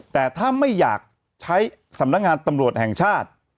แต่ถ้าไม่อยากใช้สำนักงานตำรวจแห่งชาติ